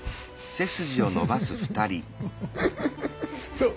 そう。